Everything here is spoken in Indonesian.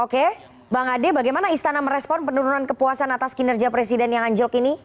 oke bang ade bagaimana istana merespon penurunan kepuasan atas kinerja presiden yang anjlok ini